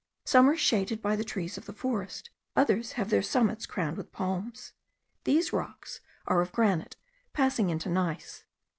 Some are shaded by the trees of the forest, others have their summits crowned with palms. These rocks are of granite passing into gneiss.